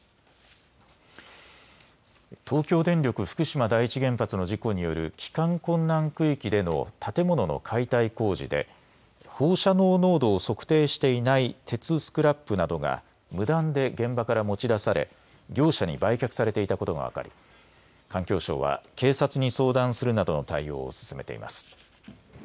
東京電力福島第一原発の事故による帰還困難区域での建物の解体工事で放射能濃度を測定していない鉄スクラップなどが無断で現場から持ち出され業者に売却されていたことが分かり環境省は警察に相談するなどの対応を進めています。